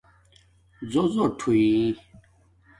زݸٹ زݸٹ ہوئ